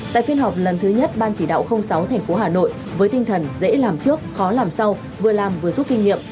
tại phiên họp lần thứ nhất ban chỉ đạo sáu tp hà nội với tinh thần dễ làm trước khó làm sau vừa làm vừa rút kinh nghiệm